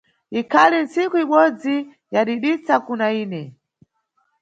Ikhali nntsiku ibodzi yadidisa kuna ine.